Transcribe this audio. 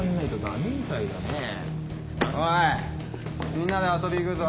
みんなで遊び行くぞ。